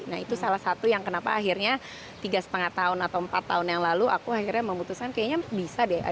nah itu salah satu yang kenapa akhirnya tiga lima tahun atau empat tahun yang lalu aku akhirnya memutuskan kayaknya bisa deh